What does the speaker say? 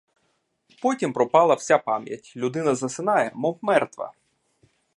Потім пропала вся пам'ять, людина засинає, мов мертва.